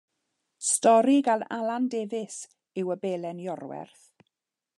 Stori gan Alan Davies yw Y Belen Iorwerth.